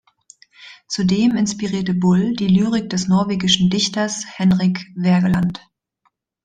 Zudem inspirierte Bull die Lyrik des norwegischen Dichters Henrik Wergeland.